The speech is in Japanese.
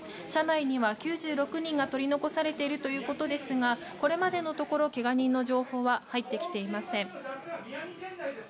車内には９６人が取り残されているということですがこれまでのところけが人の情報は入ってきていません。